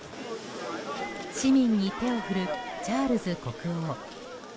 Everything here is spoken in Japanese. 市民に手を振るチャールズ国王。